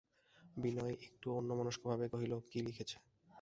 বিনয় একটু অন্যমনস্ক ভাবেই কহিল, কি লিখেছে?